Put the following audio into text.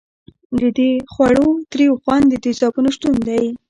د دې خوړو تریو خوند د تیزابونو شتون دی.